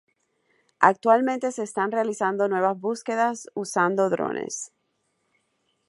Actualmente se están realizando nuevas búsquedas usando drones.